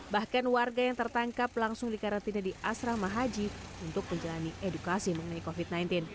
bahkan warga yang tertangkap langsung dikarantina di asrama haji untuk menjalani edukasi mengenai covid sembilan belas